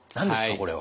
これは。